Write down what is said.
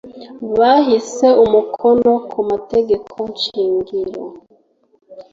bahize umukono ku mategeko shingiro